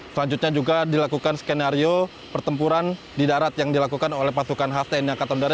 selanjutnya juga dilakukan skenario pertempuran di darat yang dilakukan oleh pasukan khas tni angkatan udara